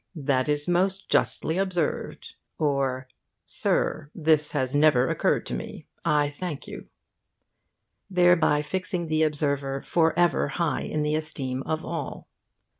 That is most justly observed' or 'Sir, this has never occurred to me. I thank you' thereby fixing the observer for ever high in the esteem of all.